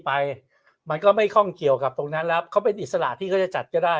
ไปมันก็ไม่ข้องเกี่ยวกับตรงนั้นแล้วเขาเป็นอิสระที่เขาจะจัดก็ได้